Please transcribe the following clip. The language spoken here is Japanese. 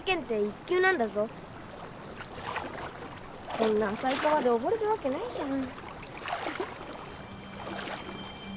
こんなあさい川でおぼれるわけないじゃん。